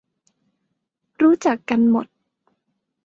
รู้จักกันหมด